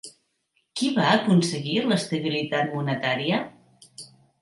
Qui va aconseguir l'estabilitat monetària?